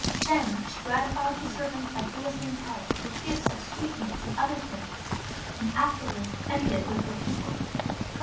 Then she gratified the servants at Guhasena's house with gifts of sweetmeats and other things, and afterwards entered it with her pupil.